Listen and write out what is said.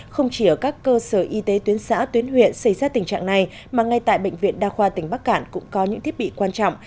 không chỉ ở các cơ sở y tế tuyến xã tuyến huyện xây ra tình trạng này mà ngay tại bệnh viện đa khoa tỉnh bắc cản cũng có những thiết bị quan trọng